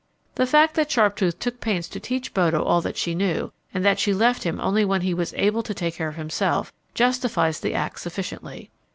The fact that Sharptooth took pains to teach Bodo all that she knew, and that she left him only when he was able to take care of himself, justifies the act sufficiently.